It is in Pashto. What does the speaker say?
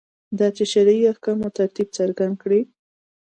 دا چې شرعي احکامو ترتیب څرګند کړي.